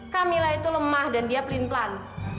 camilla itu lemah dan dia pelin pelan